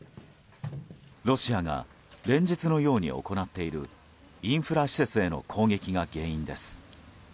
ロシアが連日のように行っているインフラ施設への攻撃が原因です。